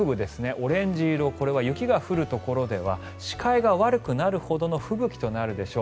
オレンジ色これは雪が降るところでは視界が悪くなるほどの吹雪となるでしょう。